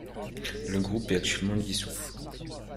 Le groupe est actuellement dissous.